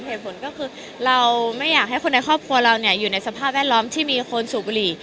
เหตุผลก็คือเราไม่อยากให้คนในครอบครัวเราอยู่ในสภาพแวดล้อมที่มีคนสูบบุหรี่